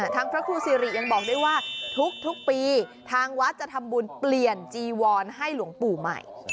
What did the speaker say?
พระครูสิริยังบอกด้วยว่าทุกปีทางวัดจะทำบุญเปลี่ยนจีวรให้หลวงปู่ใหม่